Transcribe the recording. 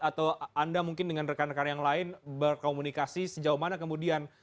atau anda mungkin dengan rekan rekan yang lain berkomunikasi sejauh mana kemudian